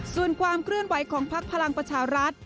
ส่วนความเคลื่อนไหวของพักพลังประชารัฐ